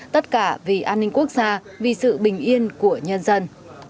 tất cả vì an ninh quốc gia vì sự bình yên của nhân dân